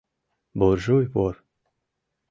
Буржуй-вор